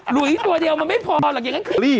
ลุยตัวเดียวมันไม่พอหรอกอย่างนั้น